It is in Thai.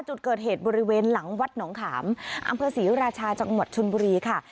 จุดเกิดเหตุบริเวณหลังวัดหนองขามอำเภอศรีราชาจังหวัดชนบุรีค่ะ